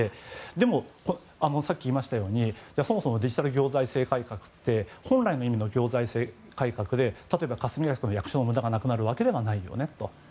でも、さっき言いましたようにそもそもデジタル行財政改革って本来の意味の行財政改革で例えば、霞が関の役所の無駄がなくなるわけではないと。